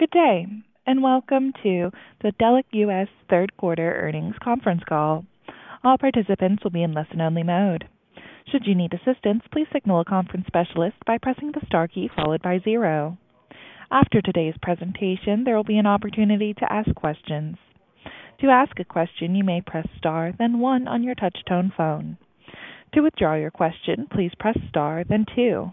Good day, and welcome to the Delek US third quarter earnings conference call. All participants will be in listen-only mode. Should you need assistance, please signal a conference specialist by pressing the star key followed by zero. After today's presentation, there will be an opportunity to ask questions. To ask a question, you may press star, then one on your touchtone phone. To withdraw your question, please press star, then two.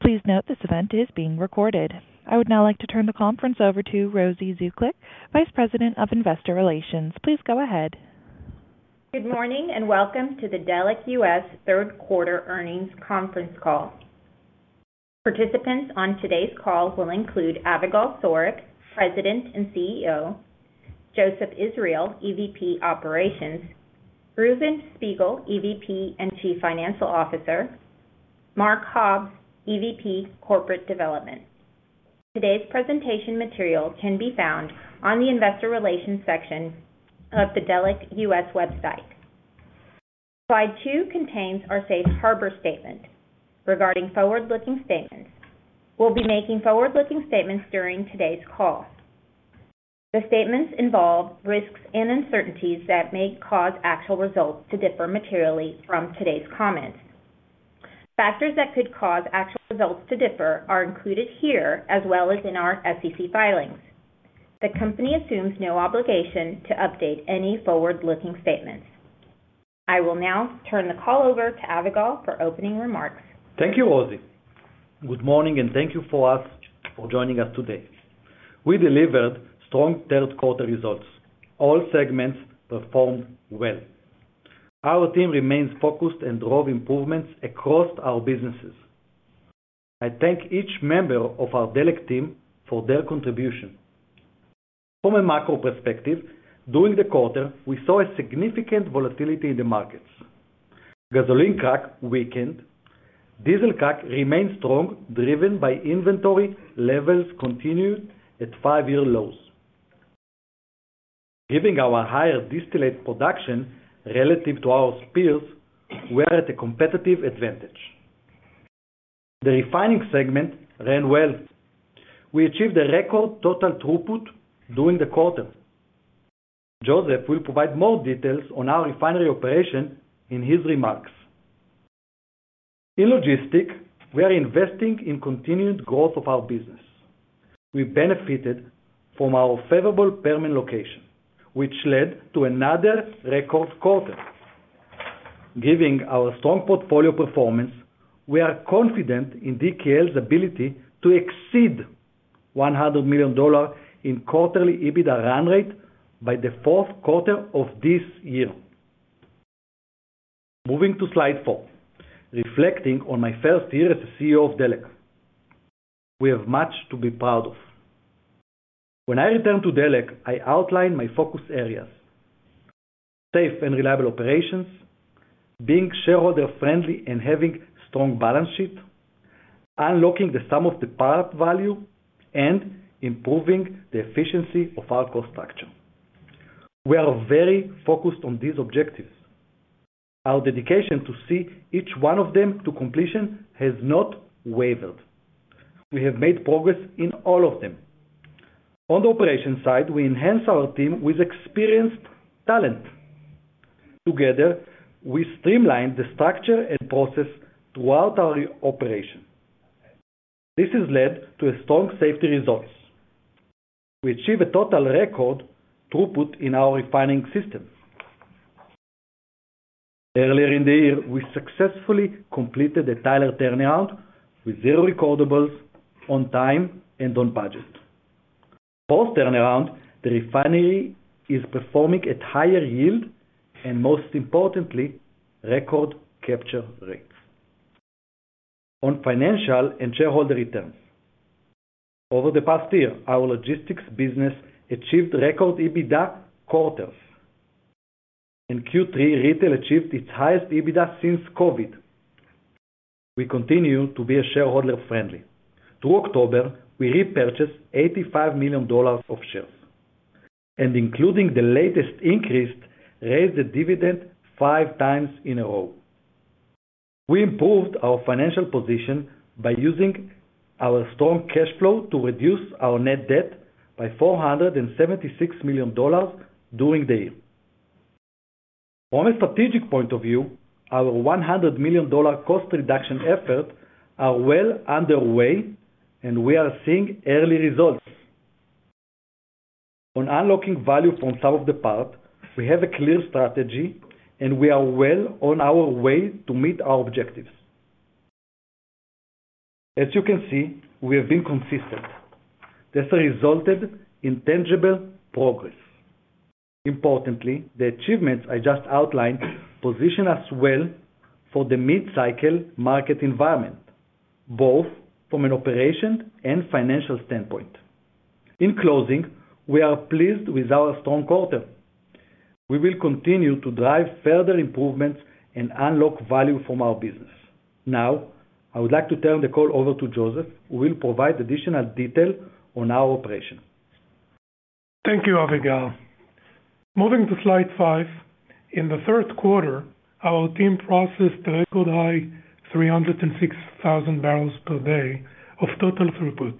Please note, this event is being recorded. I would now like to turn the conference over to Rosy Zuklic, Vice President of Investor Relations. Please go ahead. Good morning, and welcome to the Delek US third quarter earnings conference call. Participants on today's call will include Avigal Soreq, President and CEO; Joseph Israel, EVP Operations; Reuven Spiegel, EVP and Chief Financial Officer; Mark Hobbs, EVP Corporate Development. Today's presentation material can be found on the Investor Relations section of the Delek US website. Slide two contains our safe harbor statement regarding forward-looking statements. We'll be making forward-looking statements during today's call. The statements involve risks and uncertainties that may cause actual results to differ materially from today's comments. Factors that could cause actual results to differ are included here, as well as in our SEC filings. The company assumes no obligation to update any forward-looking statements. I will now turn the call over to Avigal Soreq for opening remarks. Thank you, Rosy. Good morning, and thank you for joining us today. We delivered strong third quarter results. All segments performed well. Our team remains focused and drove improvements across our businesses. I thank each member of our Delek team for their contribution. From a macro perspective, during the quarter, we saw a significant volatility in the markets. Gasoline crack weakened, diesel crack remained strong, driven by inventory levels continued at five-year lows. Given our higher distillate production relative to our peers, we are at a competitive advantage. The refining segment ran well. We achieved a record total throughput during the quarter. Joseph will provide more details on our refinery operation in his remarks. In logistics, we are investing in continued growth of our business. We benefited from our favorable Permian location, which led to another record quarter. Given our strong portfolio performance, we are confident in DKL's ability to exceed $100 million in quarterly EBITDA run rate by the fourth quarter of this year. Moving to slide four, reflecting on my first year as the CEO of Delek, we have much to be proud of. When I returned to Delek, I outlined my focus areas: safe and reliable operations, being shareholder-friendly and having strong balance sheet, unlocking the sum of the parts value, and improving the efficiency of our cost structure. We are very focused on these objectives. Our dedication to see each one of them to completion has not wavered. We have made progress in all of them. On the operation side, we enhanced our team with experienced talent. Together, we streamlined the structure and process throughout our operation. This has led to a strong safety results. We achieve a total record throughput in our refining system. Earlier in the year, we successfully completed the Tyler turnaround with zero recordables on time and on budget. Post-turnaround, the refinery is performing at higher yield and, most importantly, record capture rates. On financial and shareholder returns, over the past year, our logistics business achieved record EBITDA quarters. In Q3, retail achieved its highest EBITDA since COVID. We continue to be a shareholder friendly. Through October, we repurchased $85 million of shares, and including the latest increase, raised the dividend five times in a row. We improved our financial position by using our strong cash flow to reduce our net debt by $476 million during the year. From a strategic point of view, our $100 million cost reduction effort are well underway, and we are seeing early results. On unlocking value from some of the parts, we have a clear strategy, and we are well on our way to meet our objectives. As you can see, we have been consistent. This resulted in tangible progress. Importantly, the achievements I just outlined position us well for the mid-cycle market environment, both from an operation and financial standpoint. In closing, we are pleased with our strong quarter. We will continue to drive further improvements and unlock value from our business. Now, I would like to turn the call over to Joseph, who will provide additional detail on our operation.... Thank you, Avigal. Moving to slide four. In the third quarter, our team processed a record high 306,000 barrels per day of total throughput.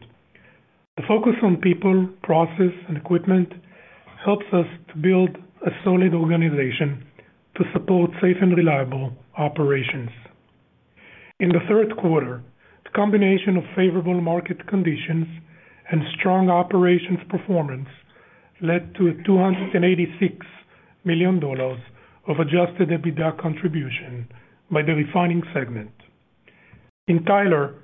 The focus on people, process, and equipment helps us to build a solid organization to support safe and reliable operations. In the third quarter, the combination of favorable market conditions and strong operations performance led to $286 million of Adjusted EBITDA contribution by the refining segment. In Tyler,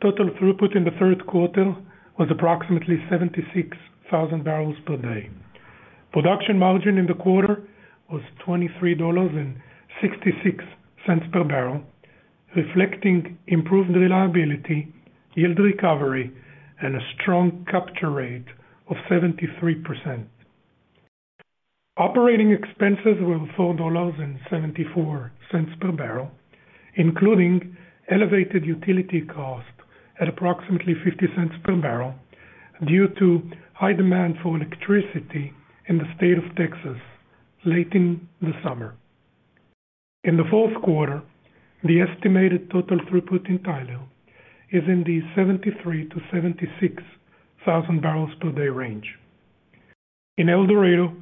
total throughput in the third quarter was approximately 76,000 barrels per day. Production margin in the quarter was $23.66 per barrel, reflecting improved reliability, yield recovery, and a strong capture rate of 73%. Operating expenses were $4.74 per barrel, including elevated utility costs at approximately $0.50 per barrel, due to high demand for electricity in the state of Texas late in the summer. In the fourth quarter, the estimated total throughput in Tyler is in the 73,000-76,000 barrels per day range. In El Dorado,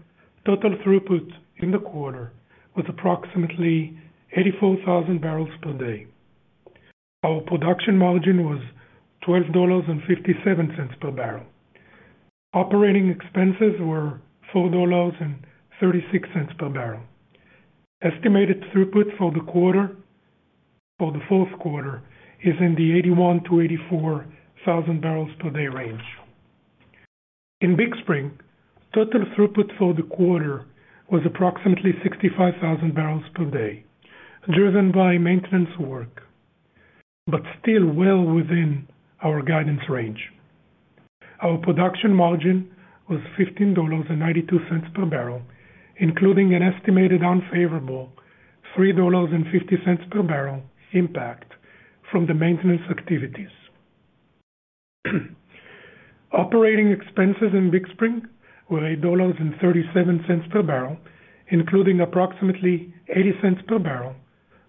total throughput in the quarter was approximately 84,000 barrels per day. Our production margin was $12.57 per barrel. Operating expenses were $4.36 per barrel. Estimated throughput for the quarter, for the fourth quarter, is in the 81,000-84,000 barrels per day range. In Big Spring, total throughput for the quarter was approximately 65,000 barrels per day, driven by maintenance work, but still well within our guidance range. Our production margin was $15.92 per barrel, including an estimated unfavorable $3.50 per barrel impact from the maintenance activities. Operating expenses in Big Spring were $8.37 per barrel, including approximately $0.80 per barrel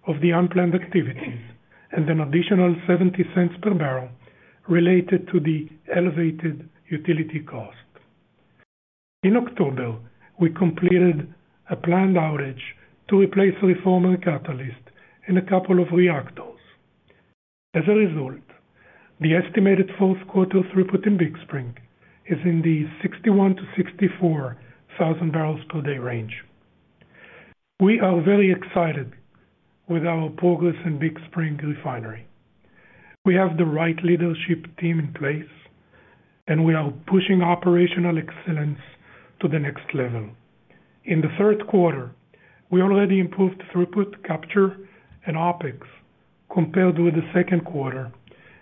of the unplanned activities, and an additional $0.70 per barrel related to the elevated utility cost. In October, we completed a planned outage to replace reformer catalyst in a couple of reactors. As a result, the estimated fourth quarter throughput in Big Spring is in the 61,000-64,000 barrels per day range. We are very excited with our progress in Big Spring Refinery. We have the right leadership team in place, and we are pushing operational excellence to the next level. In the third quarter, we already improved throughput capture and OpEx compared with the second quarter,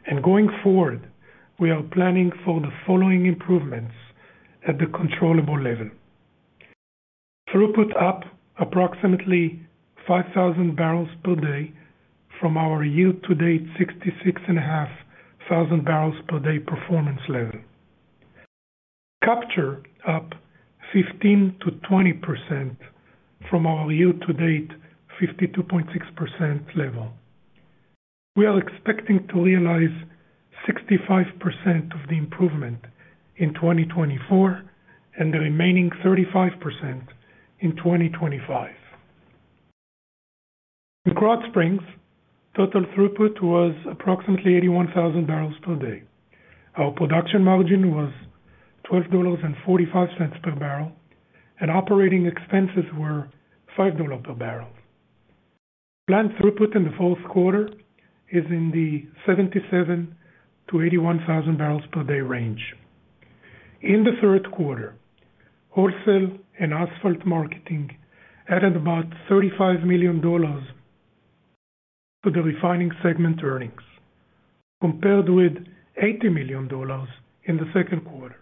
and going forward, we are planning for the following improvements at the controllable level. Throughput up approximately 5,000 barrels per day from our year-to-date 66,500 barrels per day performance level. Capture up 15%-20% from our year-to-date 52.6% level. We are expecting to realize 65% of the improvement in 2024, and the remaining 35% in 2025. In Krotz Springs, total throughput was approximately 81,000 barrels per day. Our production margin was $12.45 per barrel, and operating expenses were $5 per barrel. Planned throughput in the fourth quarter is in the 77,000-81,000 barrels per day range. In the third quarter, wholesale and asphalt marketing added about $35 million to the refining segment earnings, compared with $80 million in the second quarter.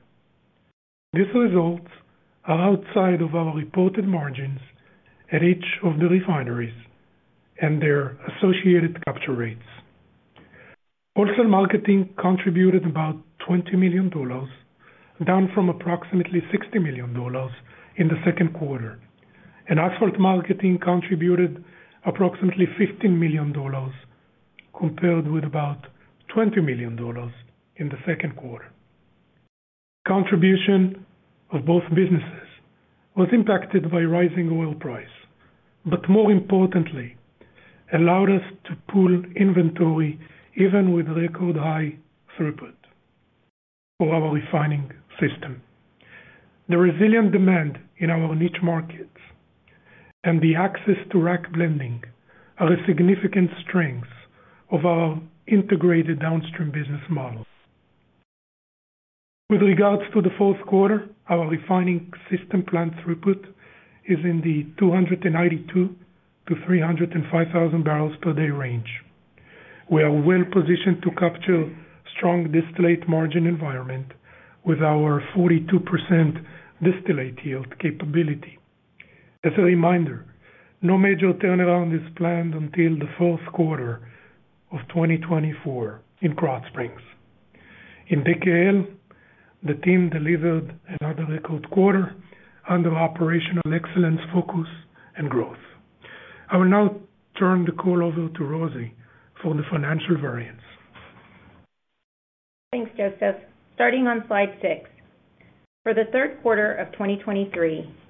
These results are outside of our reported margins at each of the refineries and their associated capture rates. Wholesale marketing contributed about $20 million, down from approximately $60 million in the second quarter, and asphalt marketing contributed approximately $15 million, compared with about $20 million in the second quarter. Contribution of both businesses was impacted by rising oil price, but more importantly, allowed us to pull inventory even with record high throughput for our refining system. The resilient demand in our niche markets and the access to rack blending are a significant strength of our integrated downstream business models. With regards to the fourth quarter, our refining system plant throughput is in the 292-305 thousand barrels per day range. We are well positioned to capture strong distillate margin environment with our 42% distillate yield capability. As a reminder, no major turnaround is planned until the fourth quarter of 2024 in Krotz Springs. In DKL, the team delivered another record quarter under operational excellence, focus, and growth. I will now turn the call over to Rosy for the financial variance. Thanks, Joseph. Starting on slide six 6. For the third quarter of 2023,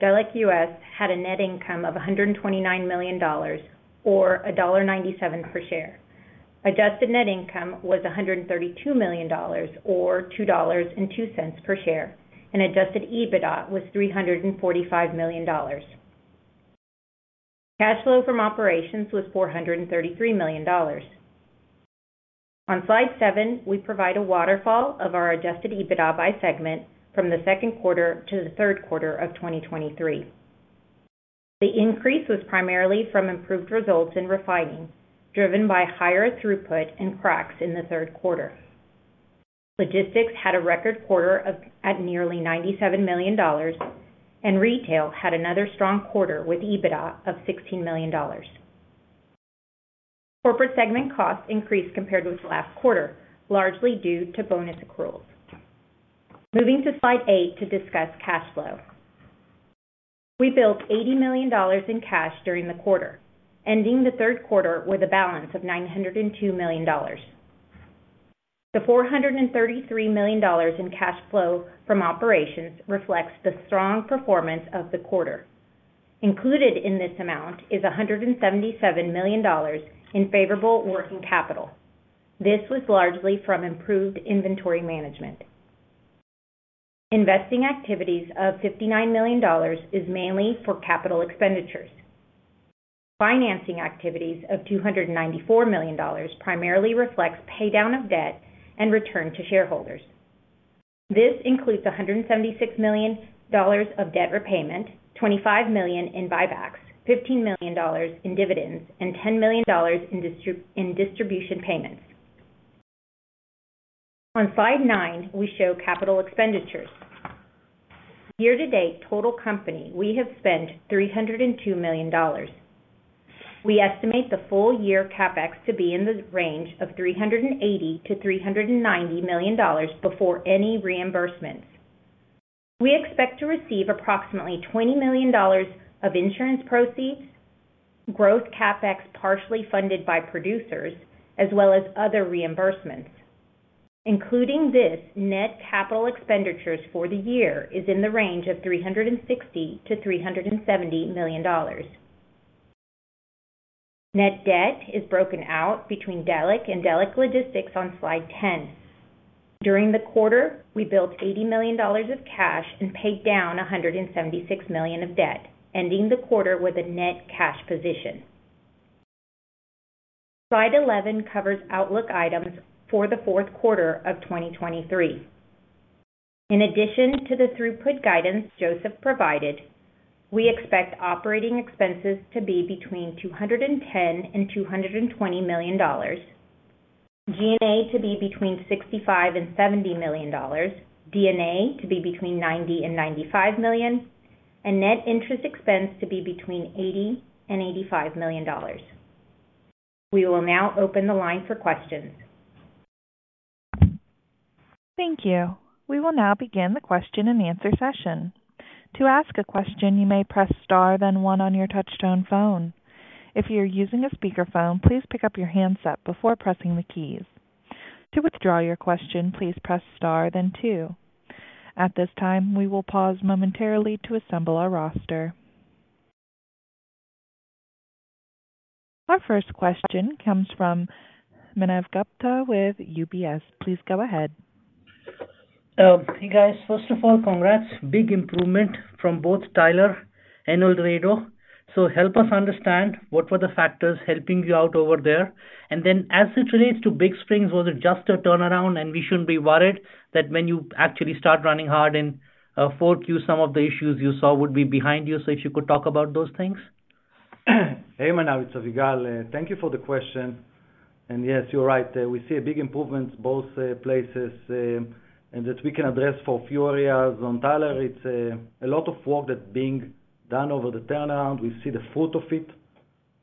Delek US had a net income of $129 million or $1.97 per share. Adjusted net income was $132 million, or $2.02 per share, and adjusted EBITDA was $345 million. Cash flow from operations was $433 million. On slide seven, we provide a waterfall of our adjusted EBITDA by segment from the second quarter to the third quarter of 2023. The increase was primarily from improved results in refining, driven by higher throughput and cracks in the third quarter. Logistics had a record quarter of, at nearly $97 million, and retail had another strong quarter with EBITDA of $16 million. Corporate segment costs increased compared with last quarter, largely due to bonus accruals. Moving to slide eight to discuss cash flow. We built $80 million in cash during the quarter, ending the third quarter with a balance of $902 million. The $433 million in cash flow from operations reflects the strong performance of the quarter. Included in this amount is $177 million in favorable working capital. This was largely from improved inventory management. Investing activities of $59 million is mainly for capital expenditures. Financing activities of $294 million primarily reflects pay down of debt and return to shareholders. This includes $176 million of debt repayment, $25 million in buybacks, $15 million in dividends, and $10 million in distribution payments. On slide nine, we show capital expenditures. Year to date, total company, we have spent $302 million. We estimate the full year CapEx to be in the range of $380 million-$390 million before any reimbursements. We expect to receive approximately $20 million of insurance proceeds, growth CapEx, partially funded by producers, as well as other reimbursements. Including this, net capital expenditures for the year is in the range of $360 million-$370 million. Net debt is broken out between Delek and Delek Logistics on slide 10. During the quarter, we built $80 million of cash and paid down $176 million of debt, ending the quarter with a net cash position. Slide 11 covers outlook items for the fourth quarter of 2023. In addition to the throughput guidance Joseph provided, we expect operating expenses to be between $210 million and $220 million, G&A to be between $65 million and $70 million, D&A to be between $90 million and $95 million, and net interest expense to be between $80 million and $85 million. We will now open the line for questions. Thank you. We will now begin the question and answer session. To ask a question, you may press star, then one on your touchtone phone. If you're using a speakerphone, please pick up your handset before pressing the keys. To withdraw your question, please press star then two. At this time, we will pause momentarily to assemble our roster. Our first question comes from Manav Gupta with UBS. Please go ahead. Hey, guys. First of all, congrats. Big improvement from both Tyler and El Dorado. So help us understand what were the factors helping you out over there? And then as it relates to Big Spring, was it just a turnaround and we shouldn't be worried that when you actually start running hard in Q4, some of the issues you saw would be behind you? So if you could talk about those things. Hey, Manav, it's Avigal. Thank you for the question. And yes, you're right. We see a big improvement, both places, and that we can address for a few areas. On Tyler, it's a lot of work that's being done over the turnaround. We see the fruit of it,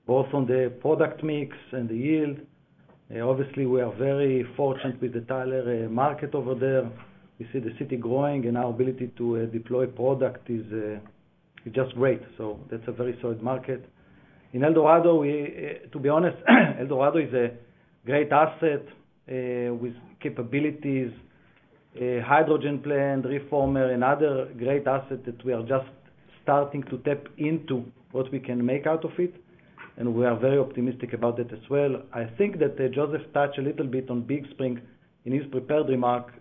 both on the product mix and the yield. Obviously, we are very fortunate with the Tyler market over there. We see the city growing, and our ability to deploy product is just great. So that's a very solid market. In El Dorado, we... To be honest, El Dorado is a great asset with capabilities, hydrogen plant, reformer, and other great assets that we are just starting to tap into what we can make out of it, and we are very optimistic about it as well. I think that Joseph touched a little bit on Big Spring in his prepared remark,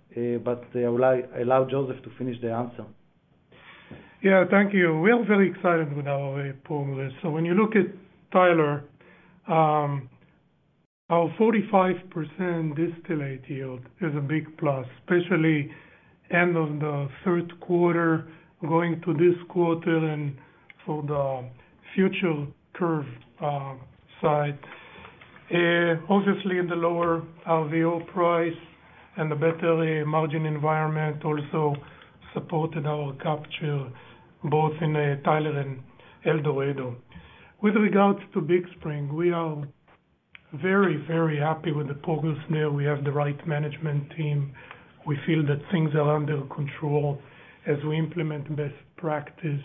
but I will allow Joseph to finish the answer. Yeah, thank you. We are very excited with our progress. So when you look at Tyler, our 45% distillate yield is a big plus, especially end of the third quarter, going to this quarter and for the future curve. Obviously, the lower RVO price and the better margin environment also supported our capture, both in Tyler and El Dorado. With regards to Big Spring, we are very, very happy with the progress there. We have the right management team. We feel that things are under control as we implement best practice.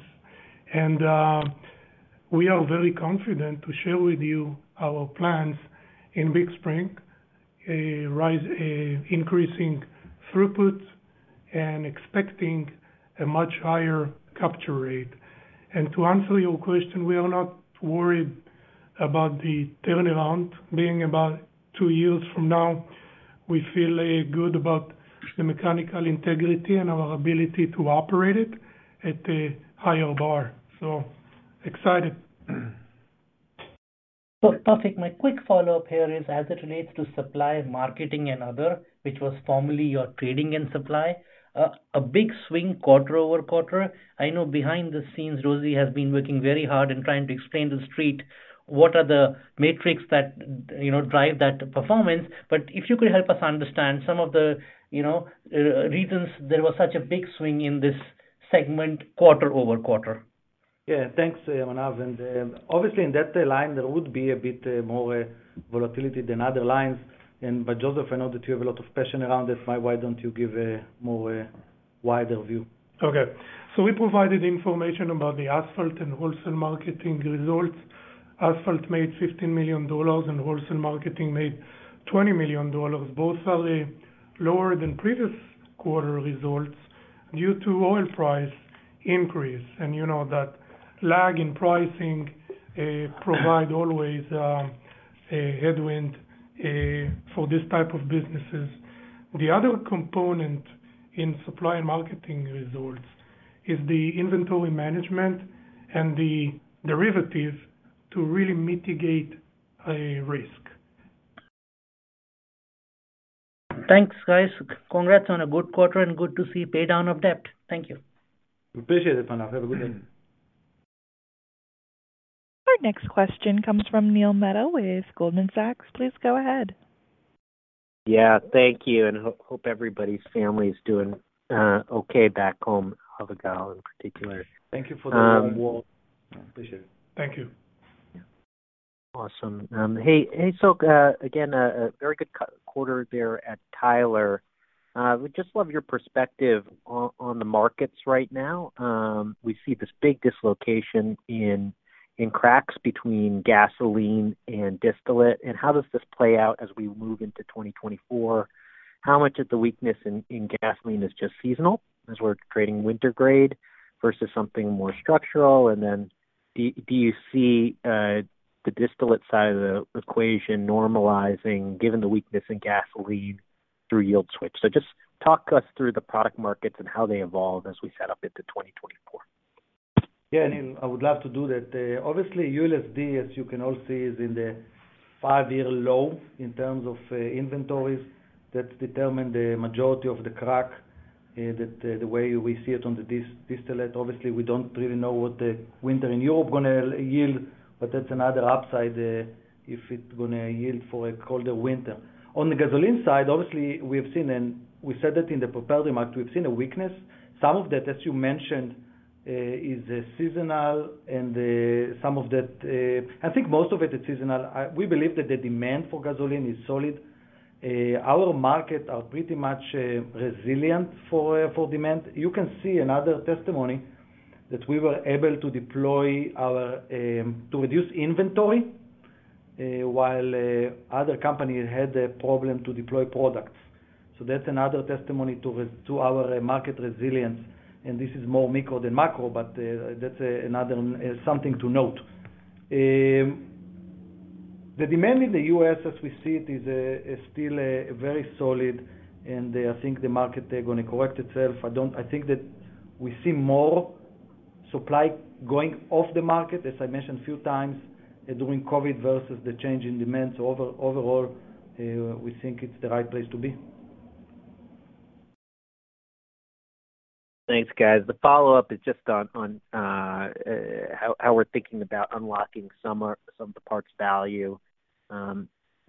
We are very confident to share with you our plans in Big Spring, arise increasing throughput and expecting a much higher capture rate. And to answer your question, we are not worried about the turnaround being about two years from now. We feel good about the mechanical integrity and our ability to operate it at a higher bar. So excited. So perfect. My quick follow-up here is as it relates to supply, marketing, and other, which was formerly your trading and supply, a big swing quarter-over-quarter. I know behind the scenes, Rosy has been working very hard in trying to explain to the street what are the metrics that, you know, drive that performance. But if you could help us understand some of the, you know, reasons there was such a big swing in this segment, quarter-over-quarter. Yeah, thanks, Manav, and obviously, in that line, there would be a bit more volatility than other lines. And but, Joseph, I know that you have a lot of passion around this. Why, why don't you give a more wider view? Okay. So we provided information about the asphalt and wholesale marketing results. Asphalt made $15 million, and wholesale marketing made $20 million. Both are lower than previous quarter results due to oil price increase. You know that lag in pricing provide always a headwind for these type of businesses. The other component in supply and marketing results is the inventory management and the derivatives to really mitigate risk. Thanks, guys. Congrats on a good quarter and good to see pay down of debt. Thank you. We appreciate it, Manav. Have a good day. Our next question comes from Neil Mehta with Goldman Sachs. Please go ahead. Yeah, thank you, and hope everybody's family is doing okay back home, Avigal, in particular. Thank you for the call. Um, well- Appreciate it. Thank you. Awesome. Hey, hey, so again, a very good quarter there at Tyler. We'd just love your perspective on the markets right now. We see this big dislocation in cracks between gasoline and distillate, and how does this play out as we move into 2024? How much of the weakness in gasoline is just seasonal, as we're trading winter grade versus something more structural? And then, do you see the distillate side of the equation normalizing, given the weakness in gasoline through yield switch? So just talk us through the product markets and how they evolve as we set up into 2024. Yeah, Neil, I would love to do that. Obviously, USD, as you can all see, is in the five-year low in terms of inventories. That determine the majority of the crack, the way we see it on the distillate. Obviously, we don't really know what the winter in Europe gonna yield, but that's another upside, if it's gonna yield for a colder winter. On the gasoline side, obviously, we have seen, and we said that in the propeller market, we've seen a weakness. Some of that, as you mentioned, is seasonal, and some of that... I think most of it is seasonal. We believe that the demand for gasoline is solid. Our markets are pretty much resilient for demand. You can see another testimony that we were able to deploy our to reduce inventory while other companies had a problem to deploy products. So that's another testimony to our market resilience, and this is more micro than macro, but that's another something to note. The demand in the U.S., as we see it, is still very solid, and I think the market, they're gonna correct itself. I think that we see more supply going off the market, as I mentioned a few times, during COVID versus the change in demand. So overall, we think it's the right place to be. Thanks, guys. The follow-up is just on how we're thinking about unlocking some of the parts value.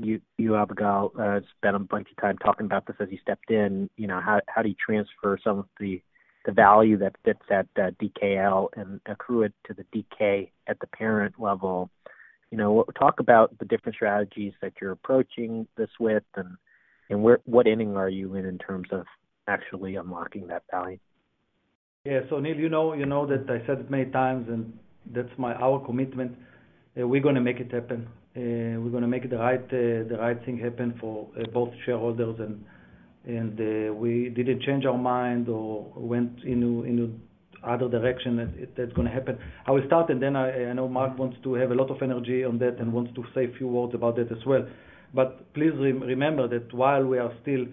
You, Avigal, spent a bunch of time talking about this as you stepped in. You know, how do you transfer some of the value that fits that DKL and accrue it to the DK at the parent level? You know, talk about the different strategies that you're approaching this with, and what inning are you in, in terms of actually unlocking that value? Yeah. So, Neil, you know, you know that I said it many times, and that's our commitment. We're gonna make it happen. We're gonna make the right thing happen for both shareholders, and we didn't change our mind or went in another direction. That's gonna happen. I will start, and then I know Mark wants to have a lot of energy on that and wants to say a few words about that as well. But please re-remember that while we are still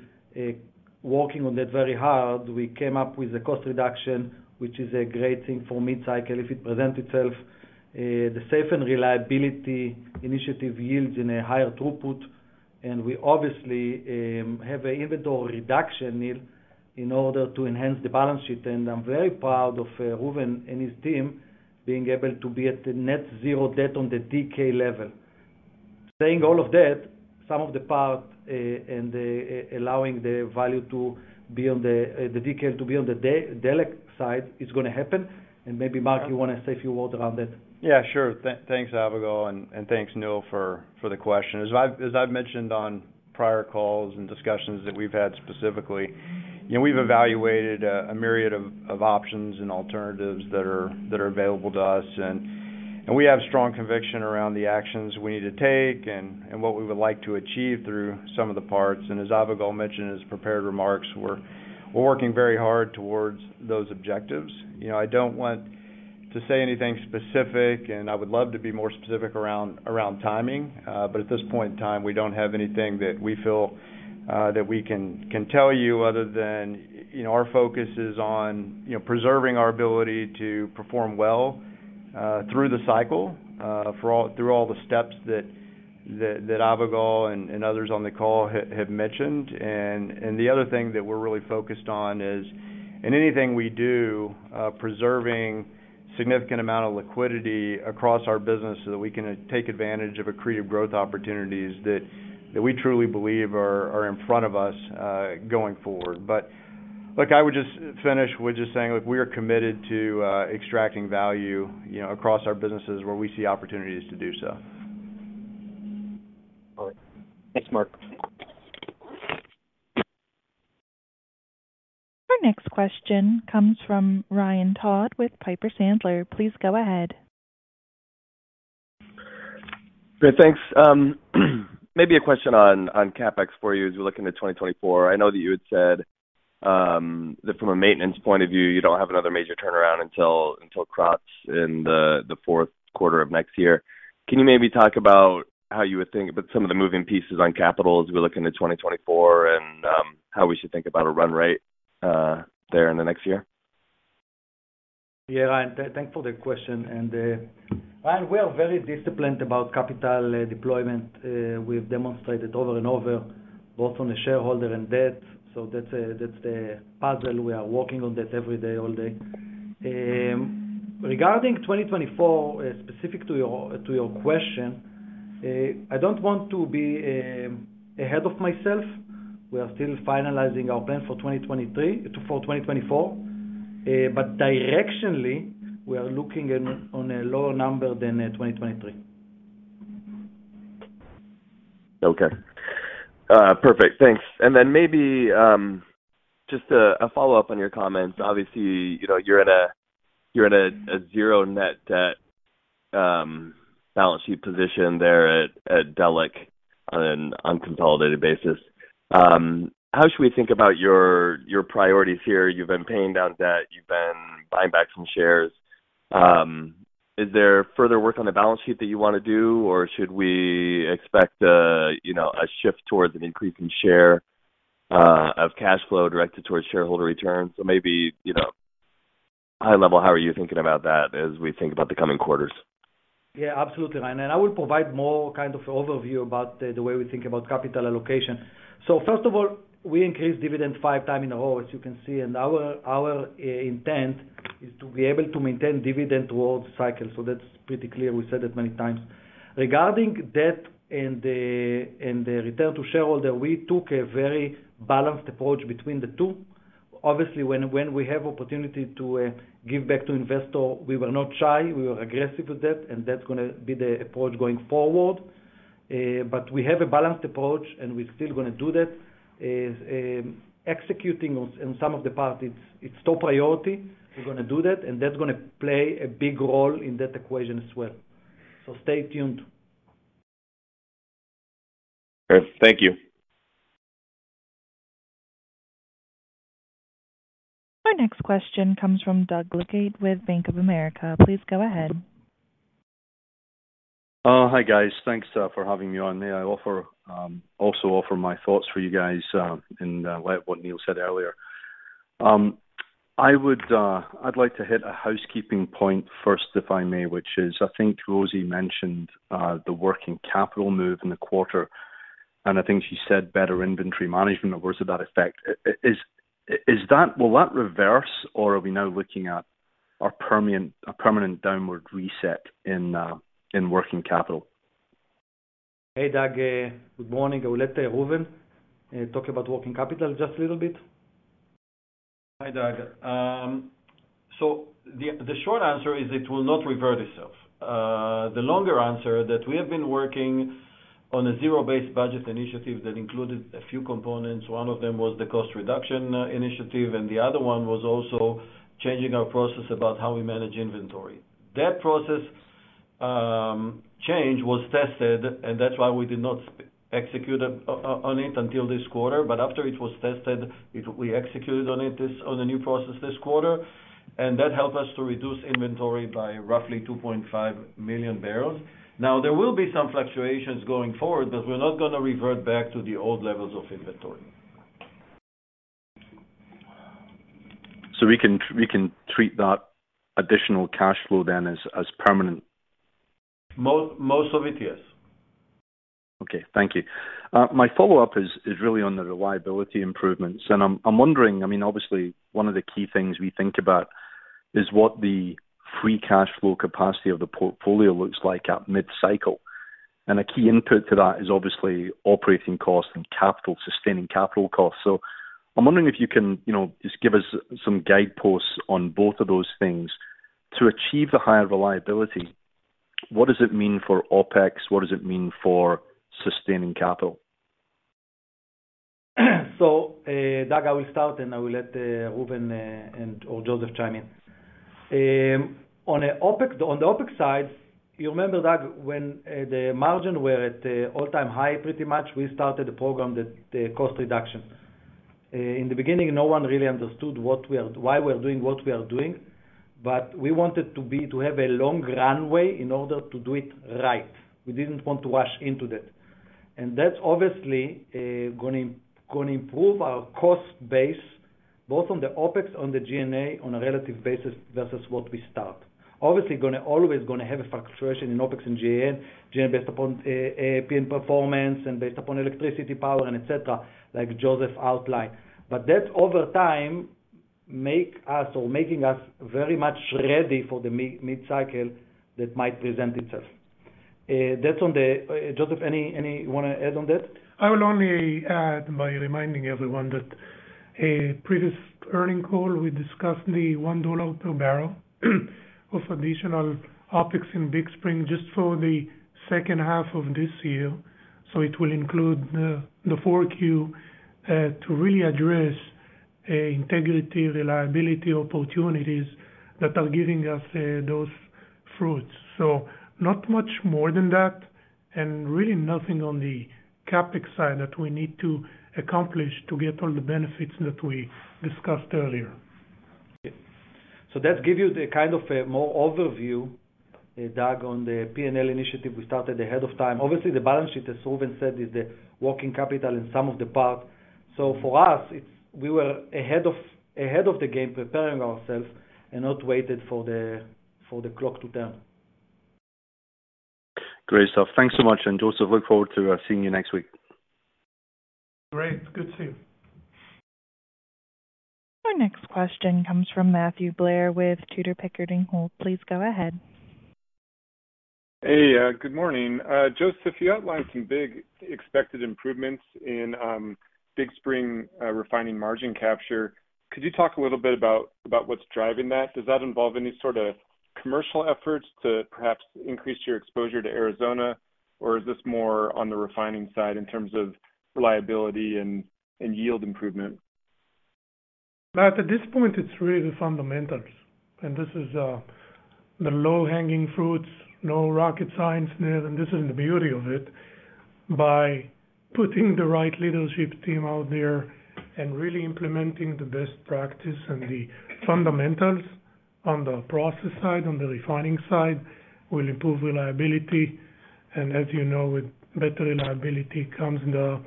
working on that very hard, we came up with a cost reduction, which is a great thing for mid-cycle if it presents itself. The safety and reliability initiative yields a higher throughput. And we obviously have an EBITDA reduction, Neil, in order to enhance the balance sheet. And I'm very proud of Reuven and his team being able to be at the net zero debt on the DK level. Saying all of that, some of the part, and the, allowing the value to be on the, the DK to be on the De- Delek side is gonna happen. And maybe, Mark, you wanna say a few words around that? Yeah, sure. Thanks, Avigal, and thanks, Neil, for the question. As I've mentioned on prior calls and discussions that we've had specifically, you know, we've evaluated a myriad of options and alternatives that are available to us, and we have strong conviction around the actions we need to take and what we would like to achieve through some of the parts. And as Avigal mentioned in his prepared remarks, we're working very hard towards those objectives. You know, I don't want to say anything specific, and I would love to be more specific around timing, but at this point in time, we don't have anything that we feel that we can tell you other than, you know, our focus is on, you know, preserving our ability to perform well through the cycle for all through all the steps that Avigal and others on the call have mentioned. And the other thing that we're really focused on is, in anything we do, preserving significant amount of liquidity across our business so that we can take advantage of accretive growth opportunities that we truly believe are in front of us going forward. Look, I would just finish with just saying, look, we are committed to extracting value, you know, across our businesses where we see opportunities to do so. All right. Thanks, Mark. Our next question comes from Ryan Todd with Piper Sandler. Please go ahead. Great, thanks. Maybe a question on, on CapEx for you as we look into 2024. I know that you had said that from a maintenance point of view, you don't have another major turnaround until, until Krotz in the, the fourth quarter of next year. Can you maybe talk about how you would think about some of the moving pieces on capital as we look into 2024, and, how we should think about a run rate, there in the next year? Yeah, Ryan, thanks for the question. Ryan, we are very disciplined about capital deployment. We've demonstrated over and over, both on the shareholder and debt. So that's the puzzle. We are working on that every day, all day. Regarding 2024, specific to your, to your question, I don't want to be ahead of myself. We are still finalizing our plan for 2023, for 2024. But directionally, we are looking at on a lower number than 2023. Okay. Perfect. Thanks. And then maybe just a follow-up on your comments. Obviously, you know, you're at a zero net debt balance sheet position there at Delek on an unconsolidated basis. How should we think about your priorities here? You've been paying down debt, you've been buying back some shares. Is there further work on the balance sheet that you wanna do, or should we expect a, you know, a shift towards an increase in share of cash flow directed towards shareholder returns? So maybe, you know, high level, how are you thinking about that as we think about the coming quarters? Yeah, absolutely, Ryan, and I will provide more kind of overview about the way we think about capital allocation. So first of all, we increased dividend five times in a row, as you can see, and our intent is to be able to maintain dividend towards cycle. So that's pretty clear. We said that many times. Regarding debt and the return to shareholder, we took a very balanced approach between the two. Obviously, when we have opportunity to give back to investor, we were not shy, we were aggressive with that, and that's gonna be the approach going forward. But we have a balanced approach, and we're still gonna do that. It's executing on some of the parts, it's top priority. We're gonna do that, and that's gonna play a big role in that equation as well. Stay tuned. Great. Thank you. Our next question comes from Diego Luque with Bank of America. Please go ahead. Hi, guys. Thanks for having me on here. I also offer my thoughts for you guys in light of what Neil said earlier. I'd like to hit a housekeeping point first, if I may, which is, I think Rosy mentioned the working capital move in the quarter, and I think she said better inventory management or words to that effect. Is that? Will that reverse, or are we now looking at a permanent downward reset in working capital? Hey, Diego, good morning. I will let Reuven talk about working capital just a little bit. Hi, Diego. So the short answer is it will not revert itself. The longer answer, that we have been working on a zero-based budget initiative that included a few components. One of them was the cost reduction initiative, and the other one was also changing our process about how we manage inventory. That process change was tested, and that's why we did not execute on it until this quarter. But after it was tested, we executed on it, on the new process this quarter, and that helped us to reduce inventory by roughly 2.5 million barrels. Now, there will be some fluctuations going forward, but we're not gonna revert back to the old levels of inventory.... So we can, we can treat that additional cash flow then as, as permanent? Most of it, yes. Okay, thank you. My follow-up is really on the reliability improvements, and I'm wondering, I mean, obviously, one of the key things we think about is what the free cash flow capacity of the portfolio looks like at mid-cycle. And a key input to that is obviously operating costs and capital, sustaining capital costs. So I'm wondering if you can, you know, just give us some guideposts on both of those things. To achieve the higher reliability, what does it mean for OpEx? What does it mean for sustaining capital? So, Diego, I will start, and I will let Reuven and or Joseph chime in. On the OpEx, on the OpEx side, you remember, Diego, when the margin were at the all-time high, pretty much, we started the program, that the cost reduction. In the beginning, no one really understood what we are—why we are doing what we are doing, but we wanted to be, to have a long runway in order to do it right. We didn't want to rush into that. And that's obviously gonna, gonna improve our cost base, both on the OpEx, on the G&A, on a relative basis versus what we start. Obviously, gonna always gonna have a fluctuation in OpEx and G&A, G&A based upon APM performance and based upon electricity, power, and et cetera, like Joseph outlined. But that, over time, make us or making us very much ready for the mid-cycle that might present itself. That's on the... Joseph, any, any you wanna add on that? I will only add by reminding everyone that a previous earnings call, we discussed the $1 per barrel of additional OpEx in Big Spring just for the second half of this year. So it wi ll include the 4Q to really address integrity, reliability opportunities that are giving us those fruits. So not much more than that, and really nothing on the CapEx side that we need to accomplish to get all the benefits that we discussed earlier. So that give you the kind of a more overview, Diego, on the P&L initiative we started ahead of time. Obviously, the balance sheet, as Reuven said, is the working capital in some of the part. So for us, it's we were ahead of, ahead of the game, preparing ourselves and not waited for the, for the clock to turn. Great stuff. Thanks so much, and Joseph, look forward to seeing you next week. Great. Good to see you. Our next question comes from Matthew Blair with Tudor, Pickering, Holt. Please go ahead. Hey, good morning. Joseph, you outlined some big expected improvements in Big Spring refining margin capture. Could you talk a little bit about what's driving that? Does that involve any sort of commercial efforts to perhaps increase your exposure to Arizona, or is this more on the refining side in terms of reliability and yield improvement? Matt, at this point, it's really the fundamentals, and this is the low-hanging fruits, no rocket science there, and this is the beauty of it. By putting the right leadership team out there and really implementing the best practice and the fundamentals on the process side, on the refining side, will improve reliability. And as you know, with better reliability comes the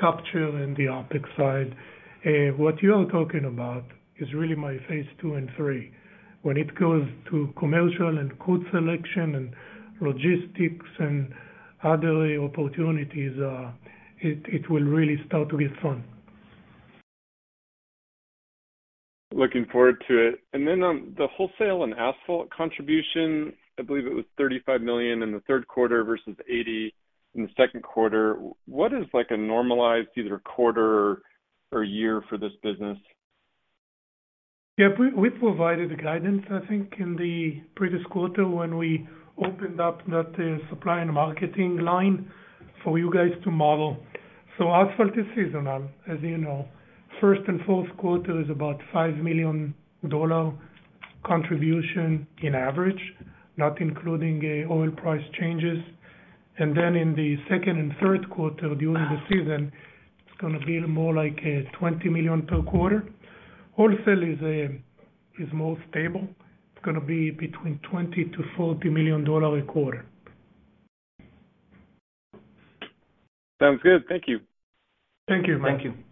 capture and the OpEx side. What you are talking about is really my phase II and III. When it goes to commercial and crude selection and logistics and other opportunities, it will really start to get fun. Looking forward to it. And then on the wholesale and asphalt contribution, I believe it was $35 million in the third quarter versus $80 million in the second quarter. What is like a normalized, either quarter or year for this business? Yeah, we provided the guidance, I think, in the previous quarter when we opened up that supply and marketing line for you guys to model. So asphalt is seasonal, as you know. First and fourth quarter is about $5 million contribution in average, not including oil price changes. Then in the second and third quarter, during the season, it's gonna be more like $20 million per quarter. Wholesale is more stable. It's gonna be between $20million-$40 million a quarter. Sounds good. Thank you. Thank you, Matthew. Thank you.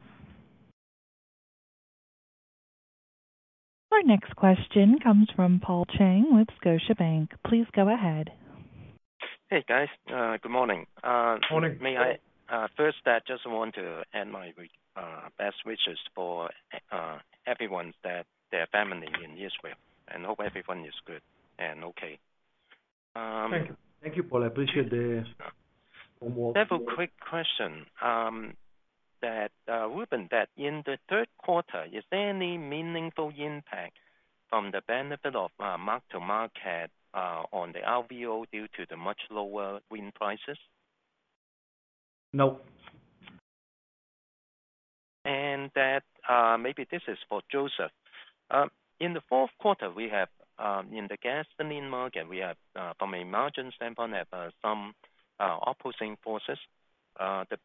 Our next question comes from Paul Cheng with Scotiabank. Please go ahead. Hey, guys. Good morning. Good morning, Paul. May I first just want to add my best wishes for everyone that their family in Israel, and hope everyone is good and okay. Thank you, thank you, Paul. I appreciate the warmth. I have a quick question. That, Reuven, that in the third quarter, is there any meaningful impact from the benefit of, mark-to-market, on the RVO due to the much lower RIN prices? Nope. And that, maybe this is for Joseph. In the fourth quarter, we have, in the gasoline market, from a margin standpoint, some opposing forces. The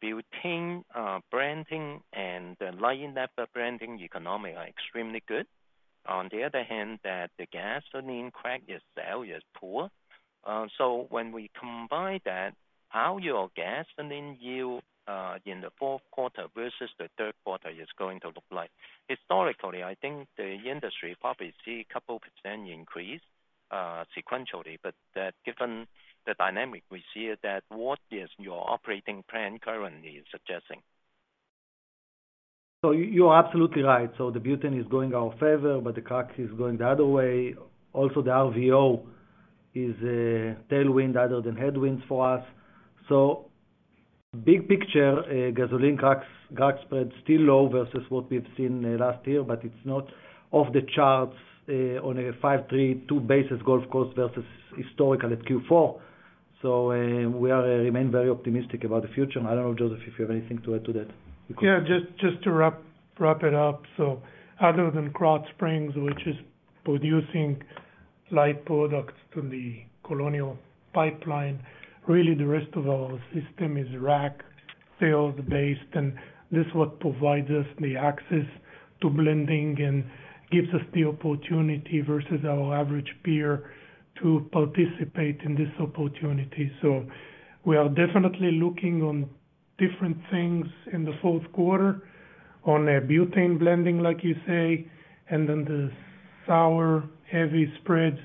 blending and the line level blending economy are extremely good. ...On the other hand, that the gasoline crack is sales poor. So when we combine that, how your gasoline yield in the fourth quarter versus the third quarter is going to look like? Historically, I think the industry probably see a couple% increase sequentially, but that given the dynamic we see it that what is your operating plan currently suggesting? You are absolutely right. The butane is going our favor, but the crack is going the other way. Also, the RVO is a tailwind other than headwinds for us. Big picture, gasoline cracks, crack spread still low versus what we've seen last year, but it's not off the charts, on a five-three-two basis, Gulf Coast versus historical at Q4. So, we remain very optimistic about the future. I don't know, Joseph, if you have anything to add to that? Yeah, just to wrap it up. So other than Krotz Springs, which is producing light products to the Colonial Pipeline, really the rest of our system is rack sales-based, and this what provides us the access to blending and gives us the opportunity versus our average peer to participate in this opportunity. So we are definitely looking on different things in the fourth quarter on a butane blending, like you say, and then the sour heavy spreads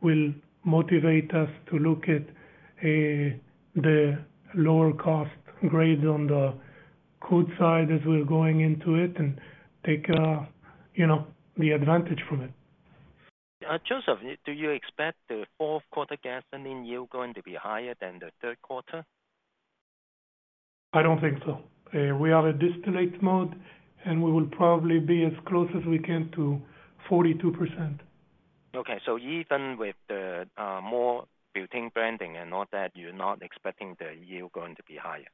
will motivate us to look at the lower cost grade on the crude side as we're going into it and take, you know, the advantage from it. Joseph, do you expect the fourth quarter gasoline yield going to be higher than the third quarter? I don't think so. We are a distillate mode, and we will probably be as close as we can to 42%. Okay. So even with the more butane blending and all that, you're not expecting the yield going to be higher?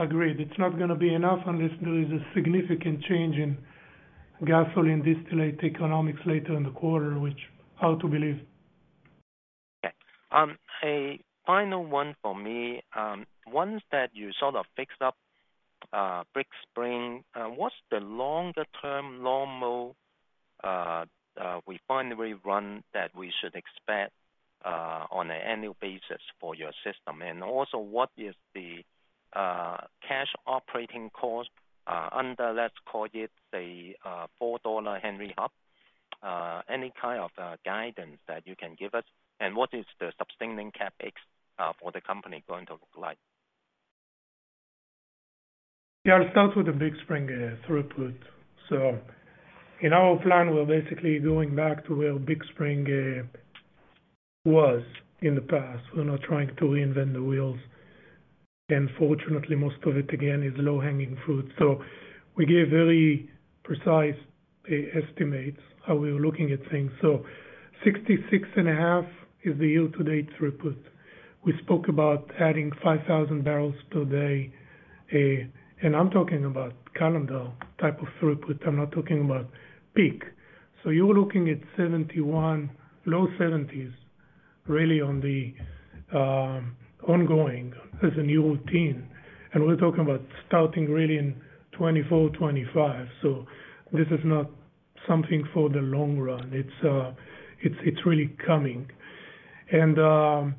Agreed. It's not gonna be enough unless there is a significant change in gasoline distillate economics later in the quarter, which hard to believe. Okay. A final one for me. Ones that you sort of fixed up, Big Spring, what's the longer term normal refinery run that we should expect on an annual basis for your system? And also, what is the cash operating cost under, let's call it, a $4 Henry Hub? Any kind of guidance that you can give us, and what is the sustaining CapEx for the company going to look like? Yeah, I'll start with the Big Spring throughput. So in our plan, we're basically going back to where Big Spring was in the past. We're not trying to reinvent the wheel, and fortunately, most of it, again, is low-hanging fruit. So we gave very precise estimates how we were looking at things. So 66.5 is the year-to-date throughput. We spoke about adding 5,000 barrels today, and I'm talking about calendar type of throughput. I'm not talking about peak. So you're looking at 71, low 70s really on the ongoing as a new routine. And we're talking about starting really in 2024, 2025. So this is not something for the long run. It's, it's really coming. And,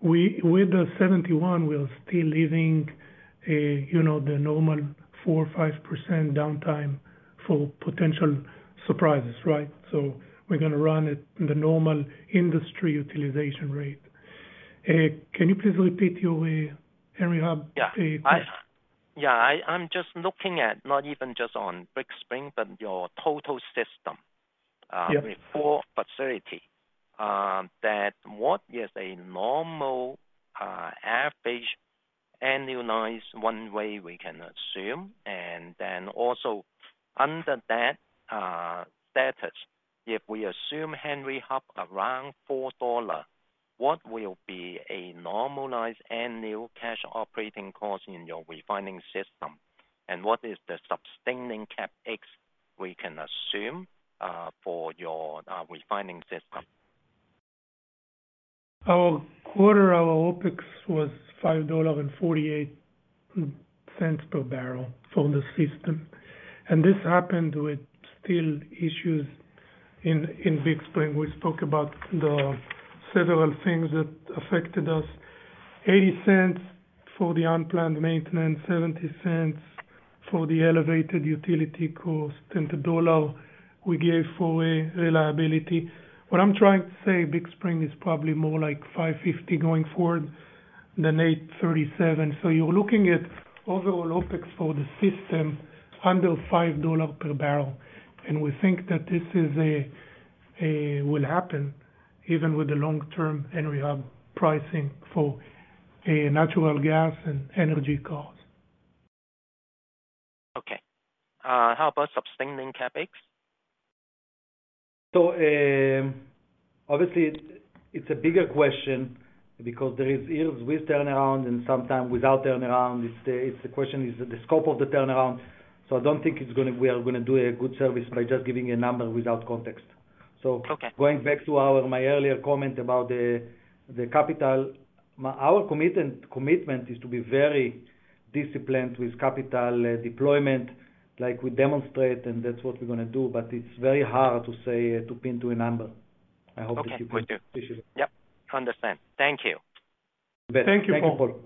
with the 71, we are still leaving a, you know, the normal 4% or 5% downtime for potential surprises, right? We're gonna run it in the normal industry utilization rate. Can you please repeat your Henry Hub? Yeah. Yeah, I'm just looking at not even just on Big Spring, but your total system. Yep. Before facility, that what is a normal average annualized, one way we can assume, and then also under that status, if we assume Henry Hub around $4, what will be a normalized annual cash operating cost in your refining system? And what is the sustaining CapEx we can assume for your refining system? Our quarter, our OpEx was $5.48 per barrel for the system. This happened with still issues in, in Big Spring. We spoke about the several things that affected us. Eighty cents for the unplanned maintenance, seventy cents for the elevated utility cost, and a dollar we gave for reliability. What I'm trying to say, Big Spring is probably more like $5.50 going forward than $8.37. You're looking at overall OpEx for the system under $5 per barrel. We think that this will happen even with the long term Henry Hub pricing for natural gas and energy costs. Okay. How about sustaining CapEx? So, obviously, it's a bigger question because there is years with turnaround and sometimes without turnaround. It's the question: the scope of the turnaround. So I don't think we're gonna do a good service by just giving a number without context. So going back to our earlier comment about the capital, our commitment is to be very disciplined with capital deployment like we demonstrate, and that's what we're going to do, but it's very hard to say to pin to a number. I hope that you- Okay. Yep, understand. Thank you. Thank you. Thank you, Paul.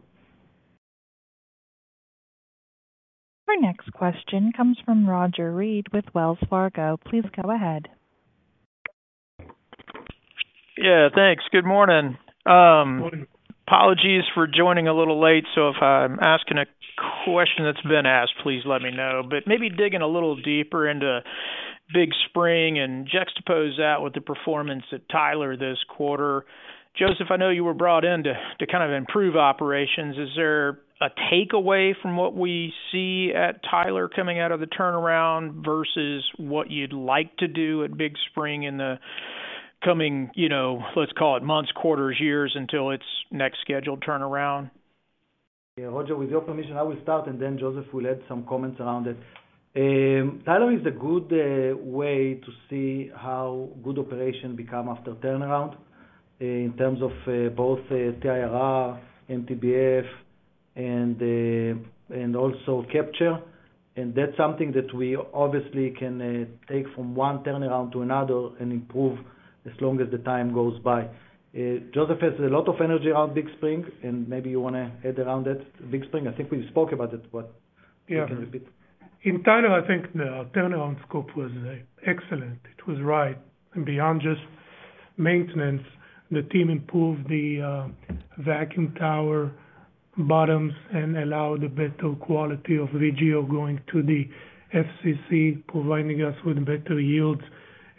Our next question comes from Roger Read with Wells Fargo. Please go ahead. Yeah, thanks. Good morning. Good morning. Apologies for joining a little late, so if I'm asking a question that's been asked, please let me know. Maybe digging a little deeper into Big Spring and juxtapose that with the performance at Tyler this quarter. Joseph, I know you were brought in to kind of improve operations. Is there a takeaway from what we see at Tyler coming out of the turnaround versus what you'd like to do at Big Spring in the coming, you know, let's call it months, quarters, years until its next scheduled turnaround? Yeah, Roger, with your permission, I will start and then Joseph will add some comments around it. Tyler is a good way to see how good operation become after turnaround, in terms of both TIRR, MTBF, and also capture. And that's something that we obviously can take from one turnaround to another and improve as long as the time goes by. Joseph has a lot of energy around Big Spring, and maybe you want to add around it, Big Spring? I think we spoke about it, but- Yeah. You can repeat. In Tyler, I think the turnaround scope was excellent. It was right. And beyond just maintenance, the team improved the vacuum tower bottoms and allowed a better quality of VGO going to the FCC, providing us with better yields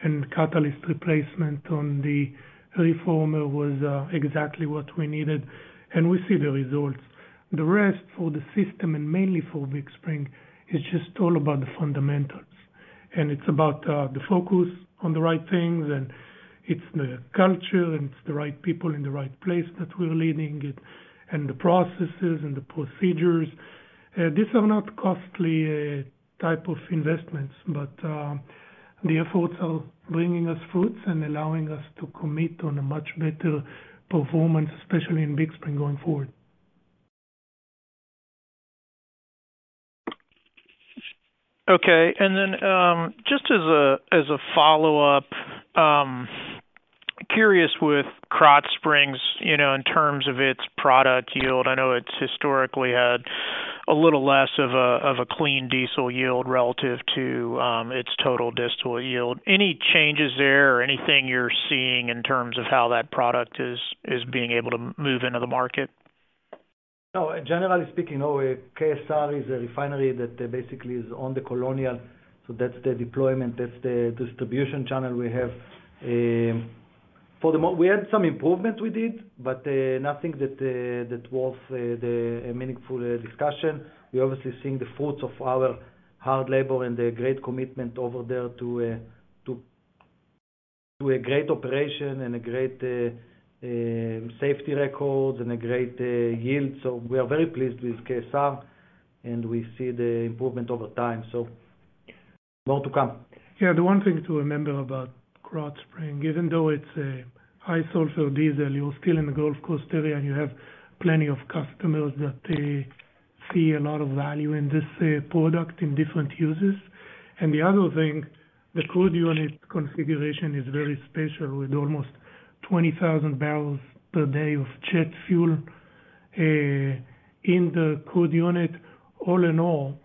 and catalyst replacement on the reformer was exactly what we needed, and we see the results. The rest for the system, and mainly for Big Spring, is just all about the fundamentals. And it's about the focus on the right things, and it's the culture, and it's the right people in the right place that we're leading it, and the processes and the procedures. These are not costly type of investments, but the efforts are bringing us fruits and allowing us to commit on a much better performance, especially in Big Spring, going forward. Okay. And then, just as a follow-up, curious with Krotz Springs, you know, in terms of its product yield, I know it's historically had a little less of a clean diesel yield relative to its total distillate yield. Any changes there or anything you're seeing in terms of how that product is being able to move into the market? No, generally speaking, no. KSR is a refinery that basically is on the Colonial, so that's the deployment, that's the distribution channel we have. For the moment, we had some improvement with it, but nothing that was a meaningful discussion. We're obviously seeing the fruits of our hard labor and the great commitment over there to a great operation and a great safety records and a great yield. So we are very pleased with KSR, and we see the improvement over time, so more to come. Yeah, the one thing to remember about Krotz Springs, even though it's a high sulfur diesel, you're still in the Gulf Coast area, and you have plenty of customers that see a lot of value in this product in different uses. And the other thing, the crude unit configuration is very special, with almost 20,000 barrels per day of jet fuel in the crude unit. All in all,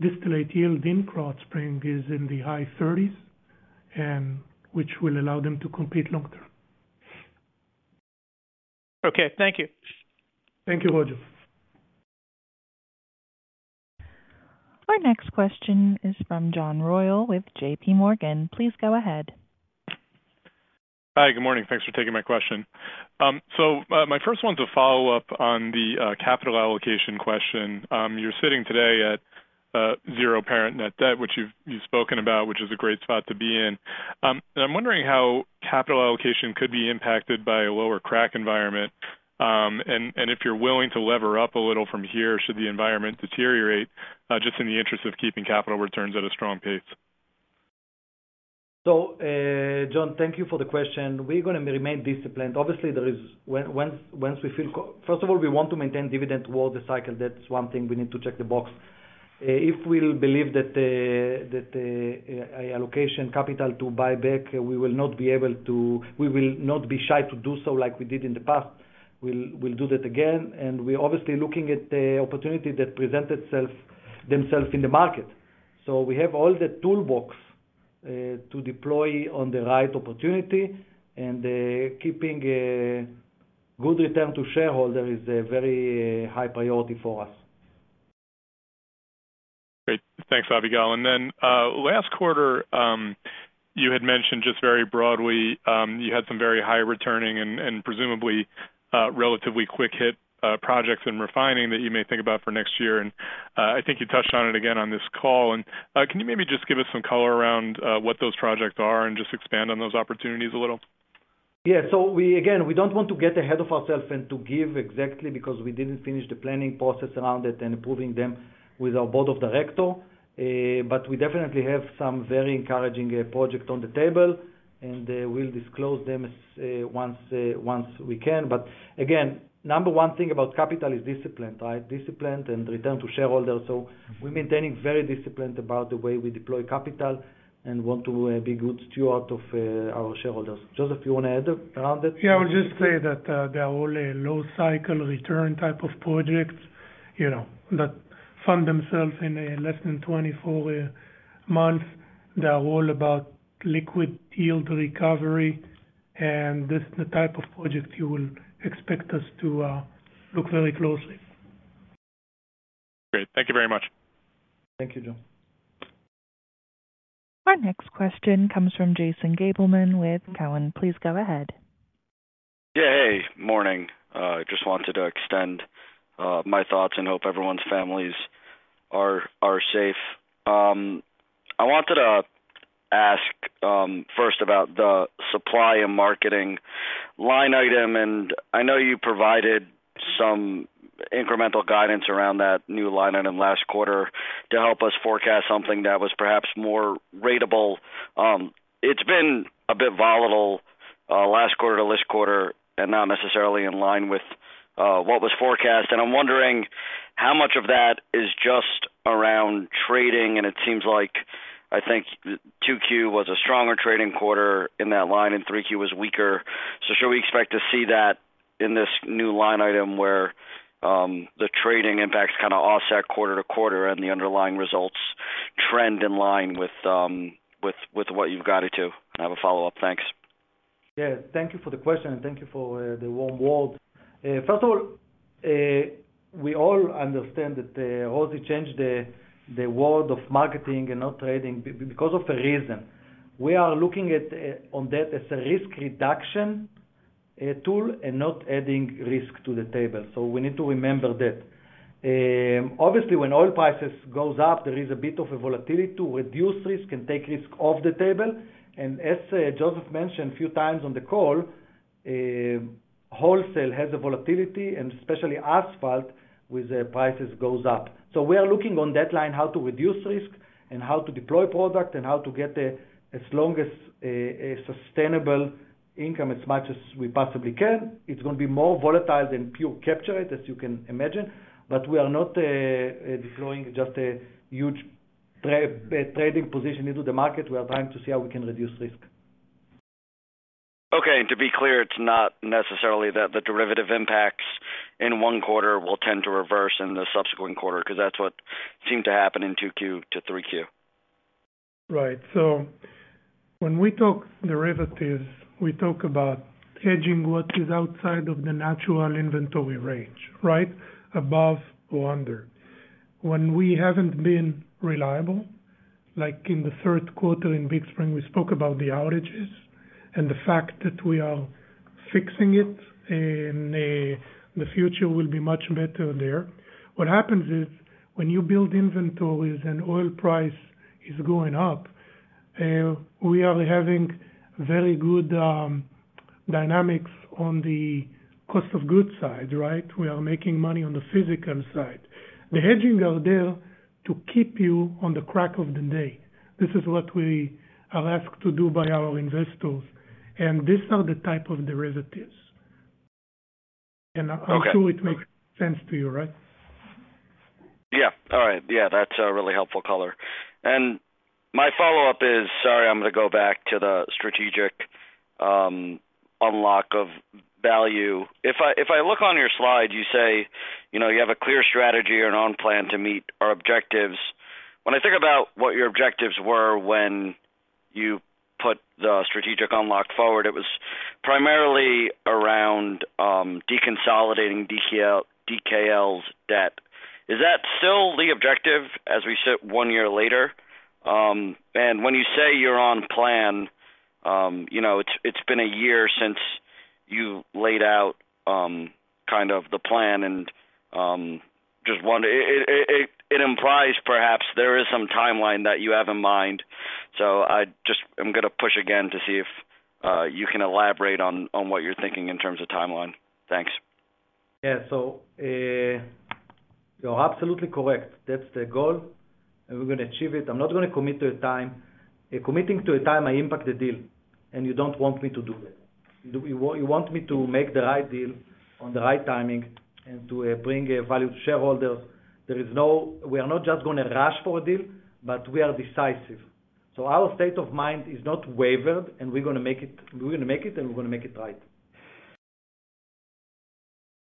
distillate yield in Krotz Springs is in the high 30s%, and which will allow them to compete long term. Okay, thank you. Thank you, Roger. Our next question is from John Royall with JP Morgan. Please go ahead. Hi, good morning. Thanks for taking my question. So, my first one to follow up on the capital allocation question. You're sitting today at zero parent net debt, which you've spoken about, which is a great spot to be in. I'm wondering how capital allocation could be impacted by a lower crack environment, and if you're willing to lever up a little from here, should the environment deteriorate, just in the interest of keeping capital returns at a strong pace. So, John, thank you for the question. We're going to remain disciplined. Obviously, there is once we feel... First of all, we want to maintain dividend toward the cycle. That's one thing we need to check the box. If we believe that allocation capital to buy back, we will not be able to, we will not be shy to do so like we did in the past. We'll do that again, and we're obviously looking at the opportunity that present themselves in the market. So we have all the toolbox to deploy on the right opportunity, and keeping good return to shareholder is a very high priority for us. Great. Thanks, Avigal. And then, last quarter, you had mentioned just very broadly, you had some very high returning and, and presumably, relatively quick hit, projects in refining that you may think about for next year. And, I think you touched on it again on this call. And, can you maybe just give us some color around, what those projects are and just expand on those opportunities a little?... Yeah, so we, again, we don't want to get ahead of ourselves and to give exactly, because we didn't finish the planning process around it and approving them with our board of director. But we definitely have some very encouraging projects on the table, and we'll disclose them as once once we can. But again, number one thing about capital is discipline, right? Discipline and return to shareholders. So we're maintaining very disciplined about the way we deploy capital and want to be good steward of our shareholders. Joseph, you want to add around it? Yeah, I would just say that, there are all a low cycle return type of projects, you know, that fund themselves in less than 24 months. They are all about liquid yield recovery, and this is the type of project you will expect us to look very closely. Great. Thank you very much. Thank you, Joe. Our next question comes from Jason Gabelman with Cowen. Please go ahead. Yeah. Hey, morning. Just wanted to extend my thoughts and hope everyone's families are safe. I wanted to ask first about the supply and marketing line item, and I know you provided some incremental guidance around that new line item last quarter to help us forecast something that was perhaps more ratable. It's been a bit volatile last quarter to this quarter and not necessarily in line with what was forecast. And I'm wondering how much of that is just around trading, and it seems like, I think 2Q was a stronger trading quarter in that line, and 3Q was weaker. So should we expect to see that in this new line item where the trading impacts kind of offset quarter to quarter and the underlying results trend in line with what you've guided to? I have a follow-up. Thanks. Yeah, thank you for the question, and thank you for the warm words. First of all, we all understand that how to change the world of marketing and not trading because of a reason. We are looking at on that as a risk reduction tool and not adding risk to the table. So we need to remember that. Obviously, when oil prices goes up, there is a bit of a volatility to reduce risk and take risk off the table. And as Joseph mentioned a few times on the call, wholesale has a volatility, and especially asphalt, with the prices goes up. So we are looking on that line, how to reduce risk and how to deploy product and how to get as long as a sustainable income, as much as we possibly can. It's going to be more volatile than pure capture rate, as you can imagine, but we are not deploying just a huge trading position into the market. We are trying to see how we can reduce risk. Okay, to be clear, it's not necessarily that the derivative impacts in one quarter will tend to reverse in the subsequent quarter, 'cause that's what seemed to happen in 2Q to 3Q. Right. So when we talk derivatives, we talk about hedging what is outside of the natural inventory range, right? Above or under. When we haven't been reliable, like in the third quarter in Big Spring, we spoke about the outages and the fact that we are fixing it, and the future will be much better there. What happens is, when you build inventories and oil price is going up, we are having very good dynamics on the cost of goods side, right? We are making money on the physical side. The hedging are there to keep you on the crack of the day. This is what we are asked to do by our investors, and these are the type of derivatives. Okay. I'm sure it makes sense to you, right? Yeah. All right. Yeah, that's a really helpful color. And my follow-up is... Sorry, I'm going to go back to the strategic unlock of value. If I look on your slide, you say, you know, you have a clear strategy and on plan to meet our objectives. When I think about what your objectives were when you put the strategic unlock forward, it was primarily around deconsolidating DKL, DKL's debt. Is that still the objective as we sit one year later? And when you say you're on plan, you know, it's been a year since you laid out kind of the plan and just wonder, it implies perhaps there is some timeline that you have in mind. So I'm going to push again to see if you can elaborate on what you're thinking in terms of timeline. Thanks. Yeah. So, you're absolutely correct. That's the goal, and we're going to achieve it. I'm not going to commit to a time. Committing to a time, I impact the deal, and you don't want me to do that. You do- you want, you want me to make the right deal on the right timing and to, bring, value to shareholders. There is no. We are not just going to rush for a deal, but we are decisive. So our state of mind is not wavered, and we're going to make it. We're going to make it, and we're going to make it right.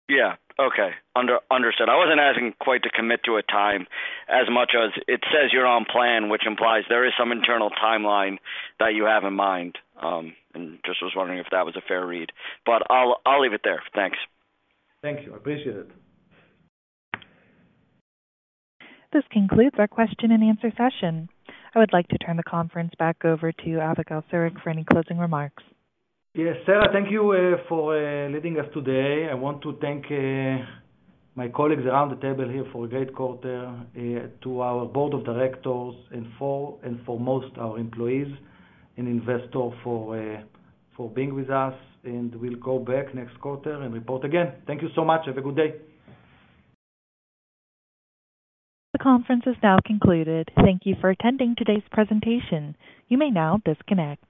Yeah. Okay. Understood. I wasn't asking quite to commit to a time as much as it says you're on plan, which implies there is some internal timeline that you have in mind. And just was wondering if that was a fair read. But I'll, I'll leave it there. Thanks. Thank you. I appreciate it. This concludes our question and answer session. I would like to turn the conference back over to Avigal Soreq for any closing remarks. Yes, Sarah, thank you for leading us today. I want to thank my colleagues around the table here for a great quarter, to our board of directors, and foremost our employees and investors for being with us, and we'll go back next quarter and report again. Thank you so much. Have a good day. The conference is now concluded. Thank you for attending today's presentation. You may now disconnect.